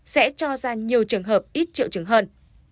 sẽ cho ra nhiều trường hợp ít triệu chứng hơn